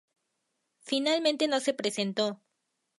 Finalmente no se presentó.